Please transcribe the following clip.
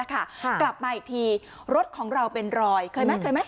กลับมาอีกทีรถของเราเป็นรอยเคยไหมเคยไหม